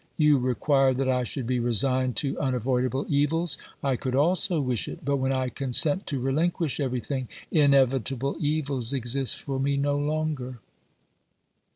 You require that I should be resigned to unavoidable evils ; I could also wish it ; but when I consent to relinquish everything, inevitable evils exist for me no longer.